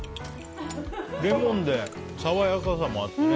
レモンで爽やかさもあってね。